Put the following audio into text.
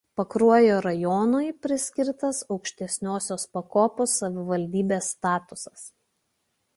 Pakruojo rajonui priskirtas aukštesniosios pakopos savivaldybės statusas.